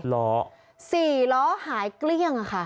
ล้อ๔ล้อหายเกลี้ยงค่ะ